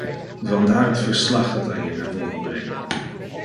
Vandaar het verslag dat wij hier naar voren brengen.